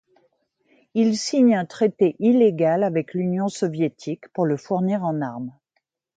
Il signe un traité illégal avec l'Union soviétique pour le fournir en armes.